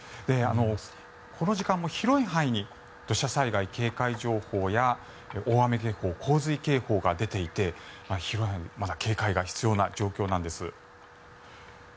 この時間も広い範囲に土砂災害警戒情報や大雨警報、洪水警報が出ていて広い範囲でまだ警戒が必要な状況なんです。